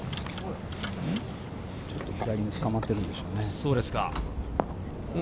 ちょっと左につかまっているでしょう。